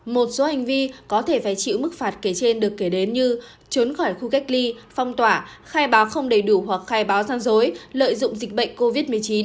một số hành vi có thể phải chịu mức phạt kể trên được kể đến như trốn khỏi khu cách ly phong tỏa khai báo không đầy đủ hoặc khai báo gian dối lợi dụng dịch bệnh covid một mươi chín